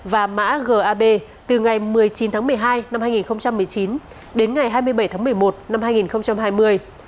và mã gab từ ngày một mươi chín tháng một mươi hai năm hai nghìn một mươi chín đến ngày hai mươi bảy tháng một mươi một năm hai nghìn hai mươi